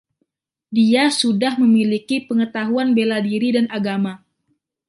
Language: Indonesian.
Dia sudah memiliki pengetahuan bela diri dan agama.